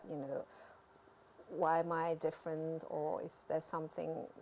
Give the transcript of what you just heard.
umur empat jadi kamu mulai berbicara pada umur empat